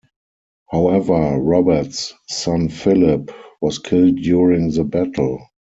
However, Robert's son Philip was killed during the battle.